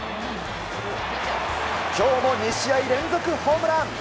今日も２試合連続ホームラン。